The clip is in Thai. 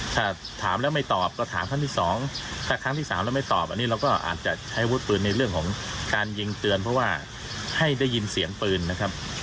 ถ้าถามแล้วไม่ตอบก็ถามครั้งที่สองถ้าครั้งที่๓แล้วไม่ตอบอันนี้เราก็อาจจะใช้วุฒิปืนในเรื่องของการยิงเตือนเพราะว่าให้ได้ยินเสียงปืนนะครับ